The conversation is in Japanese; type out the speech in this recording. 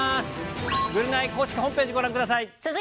ぐるナイ公式ホームページ、ごらんください。